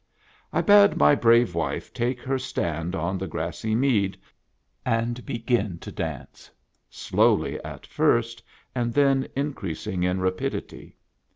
I bade my brave wife take her stand on the grassy mead and begin to dance, slowly at first, and then increasing in rapidity.